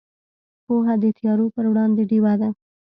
پوهه د تیارو پر وړاندې ډیوه ده.